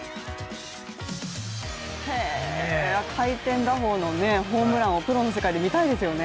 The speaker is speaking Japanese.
回転打法のホームランをプロの世界でみたいですよね。